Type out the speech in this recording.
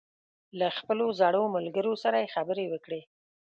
له خپلو زړو ملګرو سره یې خبرې وکړې.